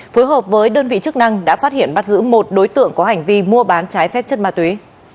phối hợp với đơn vị chức năng đã phát hiện bắt giữ một đối tượng có hành vi mua bán trái phép chất ma túy